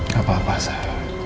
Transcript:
gak apa apa sah